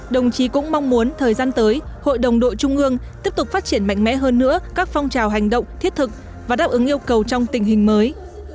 đồng chí cũng mong muốn thời gian tới hội đồng đội trung ương tiếp tục phát triển mạnh mẽ hơn nữa các phong trào hành động thiết thực và đáp ứng yêu cầu trong tình hình mới